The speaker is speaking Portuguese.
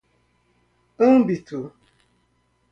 âmbito